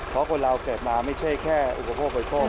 เพราะคนเราเกิดมาไม่ใช่แค่อุปโภคบริโภค